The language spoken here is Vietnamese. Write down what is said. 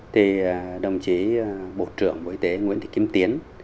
thì đồng chí bộ trưởng bộ y tế nguyễn thị kim tiến